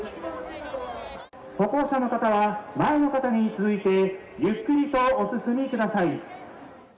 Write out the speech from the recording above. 歩行者の方は前の方に続いてゆっくりとお進みください。